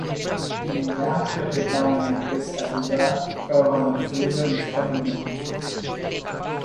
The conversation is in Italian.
Nelle acque che bagnano questa isola trovano rifugio gli squali bianchi.